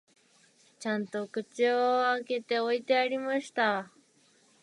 ちゃんと口を開けて置いてありました